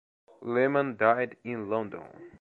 Lehmann died in London.